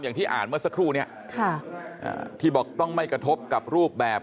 อย่างที่อ่านเมื่อสักครู่เนี้ยค่ะอ่าที่บอกต้องไม่กระทบกับรูปแบบ